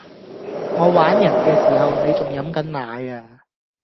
我玩人既時候你仲飲緊奶呀